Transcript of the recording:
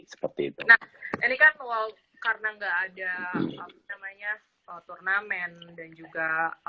nah ini kan karena nggak ada turnamen dan juga